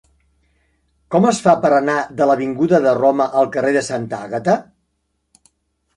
Com es fa per anar de l'avinguda de Roma al carrer de Santa Àgata?